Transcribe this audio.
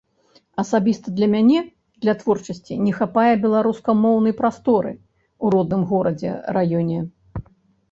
Асабіста для мяне для творчасці не хапае беларускамоўнай прасторы ў родным горадзе, раёне.